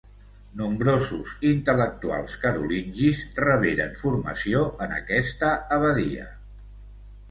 Nombrosos intel·lectuals carolingis reberen formació en aquesta abadia.